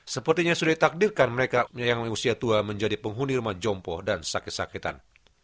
sepertinya sudah ditakdirkan mereka menyayangkan usia tua menjadi penghuni rumah jompo dan sakit sakitan